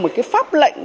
ở cái pháp lệnh